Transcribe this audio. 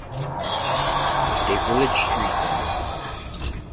A village street.